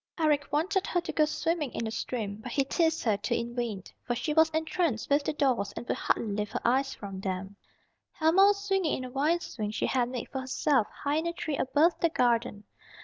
Eric wanted her to go swimming in the stream, but he teased her to in vain, for she was entranced with the dolls and would hardly lift her eyes from them. Helma was swinging in a vine swing she had made for herself high in a tree above the garden.